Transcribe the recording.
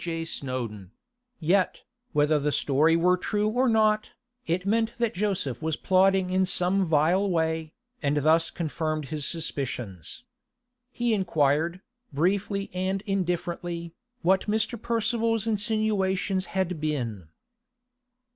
J. Snowdon; yet, whether the story were true or not, it meant that Joseph was plotting in some vile way, and thus confirmed his suspicions. He inquired, briefly and indifferently, what Mr. Percival's insinuations had been.